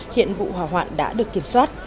hiện vụ hỏa hoạn đã được kiểm soát